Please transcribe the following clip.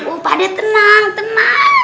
tuh pade tenang tenang